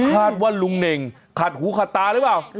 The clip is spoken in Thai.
คาดว่าลุงเน่งขาดหูขัดตาหรือเปล่า